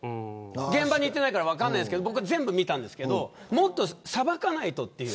現場に行ってないから分からないですけど全部見たんですけどもっと、さばかないとっていう。